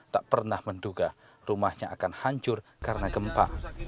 tak pernah menduga rumahnya akan hancur karena gempa